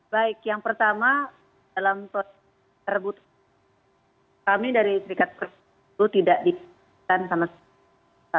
baik yang pertama dalam proses terbutuh kami dari serikat perp itu tidak disipukan sama sdi